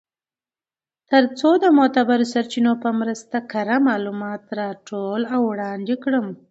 تر څو د معتبرو سرچینو په مرسته کره معلومات راټول او وړاندی کړم .